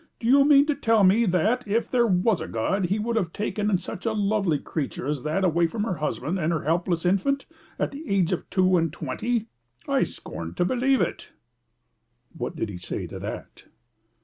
'Do you mean to tell me that, if there was a God, he would have taken such a lovely creature as that away from her husband and her helpless infant, at the age of two and twenty? I scorn to believe it.'" "What did he say to that?"